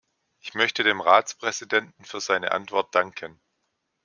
Ich möchte dem Ratspräsidenten für seine Antwort danken.